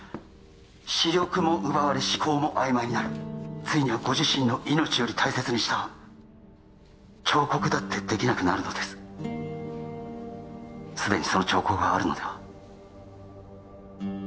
視力も奪われ思考もあいまいになるついにはご自身の命より大切にした彫刻だってできなくなるのですすでにその兆候があるのでは？